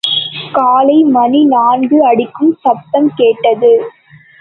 காலை மணி நான்கு அடிக்கும் சத்தம் கேட்டது.